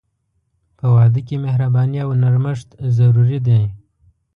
په واده کې مهرباني او نرمښت ضروري دي.